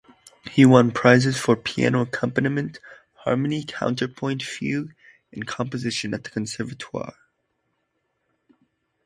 He won prizes for piano accompaniment, harmony, counterpoint, fugue, and composition at the Conservatoire.